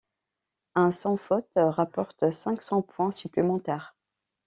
Un sans-faute rapporte cinq-cents points supplémentaires.